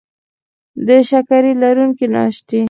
د شکرې لرونکي ناشتې